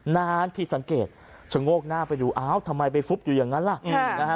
นานผิดสังเกตชะโงกหน้าไปดูอ้าวทำไมไปฟุบอยู่อย่างนั้นล่ะนะฮะ